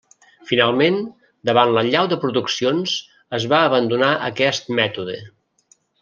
Finalment, davant l'allau de produccions es va abandonar aquest mètode.